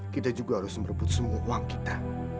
kita juga harus merebut semua uang kita